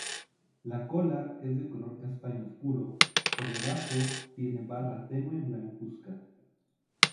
La cola es de color castaño oscuro, por debajo tiene barra tenue blancuzca.